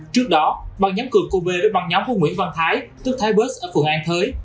trước đó ban nhóm cường cô bê với ban nhóm của nguyễn văn thái tức thái bớt ở phường an thới